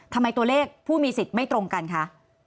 ทำไมตัวเลขผู้มีสิทธิ์ไม่ตรงกันคะ